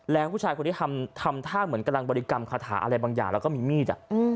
แล้วผู้ชายคนนี้ทำท่าเหมือนกำลังบริกรรมคาถาอะไรบางอย่างแล้วก็มีมีด